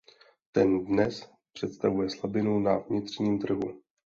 Ten dnes představuje slabinu na vnitřním trhu.